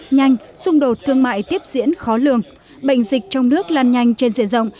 nhanh xung đột thương mại tiếp diễn khó lường bệnh dịch trong nước lan nhanh trên diện rộng